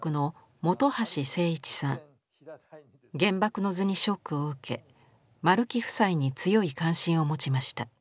「原爆の図」にショックを受け丸木夫妻に強い関心を持ちました。